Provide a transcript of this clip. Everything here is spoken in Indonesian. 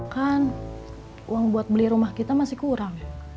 kan uang buat beli rumah kita masih kurang